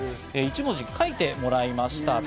１文字書いてもらいました。